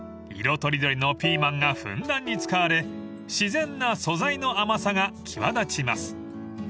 ［色とりどりのピーマンがふんだんに使われ自然な素材の甘さが際立ちます］